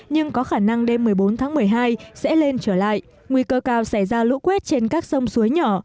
nhưng có khả năng đêm một mươi bốn tháng một mươi hai sẽ lên trở lại nguy cơ cao xảy ra lũ quét trên các sông suối nhỏ